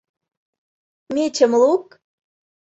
— Мечым лук.